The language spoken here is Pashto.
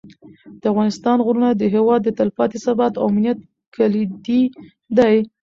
د افغانستان غرونه د هېواد د تلپاتې ثبات او امنیت کلیدي دي.